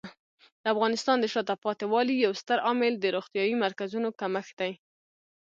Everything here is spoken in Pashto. د افغانستان د شاته پاتې والي یو ستر عامل د روغتیايي مرکزونو کمښت دی.